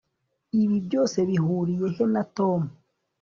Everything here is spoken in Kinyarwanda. ibi byose bihuriye he na tom